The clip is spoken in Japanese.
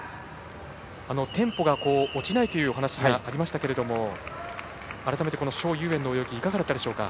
テンポが落ちないというお話がありましたけれども改めて蒋裕燕の泳ぎいかがだったでしょうか。